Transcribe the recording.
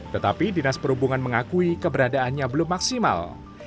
tetapi dinas perhubungan mengakui keberadaannya belum maksimal